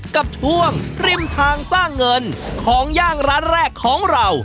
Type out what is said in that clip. กับช่วงริมทางสร้างเงินของย่างร้านแรกของเรา